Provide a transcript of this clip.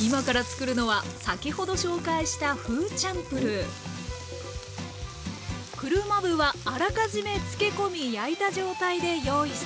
今から作るのは先ほど紹介したフーチャンプルー車麩はあらかじめ漬け込み焼いた状態で用意していました。